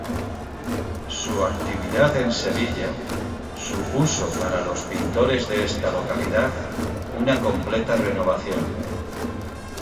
Su actividad en Sevilla supuso para los pintores de esta localidad una completa renovación.